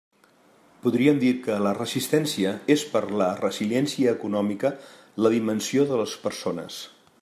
Podríem dir que la resistència és per a la resiliència econòmica, la dimensió de les persones.